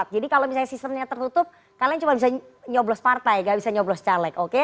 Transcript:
jadi kalau misalnya sistemnya tertutup kalian cuma bisa nyoblos partai gak bisa nyoblos caleg oke